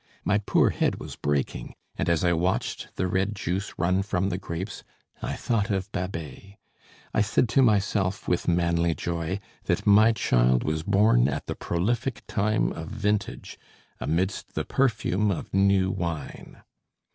My poor head was breaking, and as I watched the red juice run from the grapes I thought of Babet. I said to myself with manly joy, that my child was born at the prolific time of vintage, amidst the perfume of new wine.